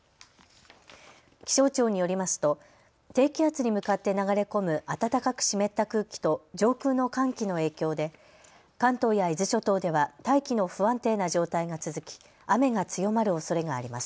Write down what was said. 気象庁によりますと低気圧に向かって流れ込む暖かく湿った空気と上空の寒気の影響で関東や伊豆諸島では大気の不安定な状態が続き雨が強まるおそれがあります。